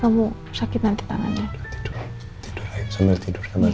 ayo di sebelah rena